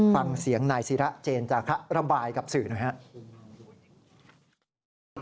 ฟังเสียงนายศิระเจนจาคะระบายกับสื่อหน่อยครับ